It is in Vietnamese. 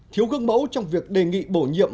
thiếu gương mẫu trong việc đề nghị bổ nhiệm